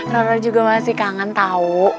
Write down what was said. ra ra juga masih kangen tau